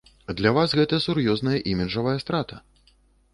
Для вас гэта сур'ёзная іміджавая страта.